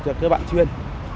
cho các bạn chuyên